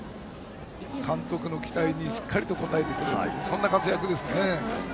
監督の期待にしっかり応えてくれているそんな活躍ですね。